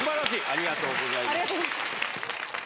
ありがとうございます。